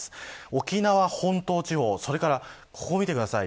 沖縄本島地方それからここを見てください。